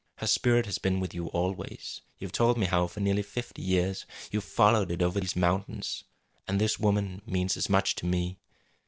Her spirit has been with you always. You have told me how for nearly fifty years you have followed it over these mountains. And this woman means as much to me.